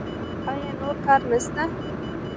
ایا نور کار نشته؟